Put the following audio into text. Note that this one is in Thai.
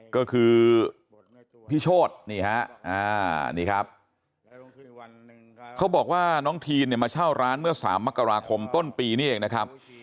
ก็คือพี่โชธนี่ฮะนี่ครับเขาบอกว่าน้องทีนเนี่ยมาเช่าร้านเมื่อ๓มกราคมต้นปีนี้เองนะครับ